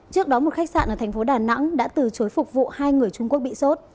trước đó một khách sạn ở thành phố đà nẵng đã từ chối phục vụ hai người trung quốc bị sốt